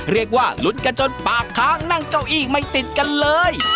เรียกว่าลุ้นกันจนปากค้างนั่งเก้าอี้ไม่ติดกันเลย